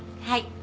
はい。